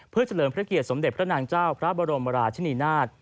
เพื่อเฉลิมพระเกียรติสมเด็จพระนางเจ้าพระบรมราชนีนาฏ